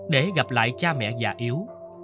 để gặp lại cha mẹ già yếu